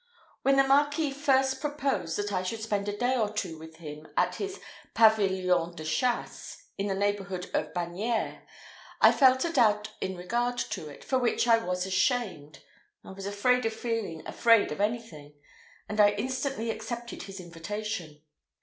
When the Marquis first proposed that I should spend a day or two with him at his pavilion de chasse, in the neighbourhood of Bagneres, I felt a doubt in regard to it, of which I was ashamed I was afraid of feeling afraid of anything, and I instantly accepted his invitation.